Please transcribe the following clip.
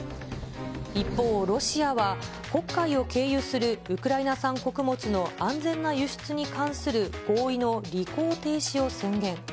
一方、ロシアは黒海を経由するウクライナ産穀物の安全な輸出に関する合意の履行停止を宣言。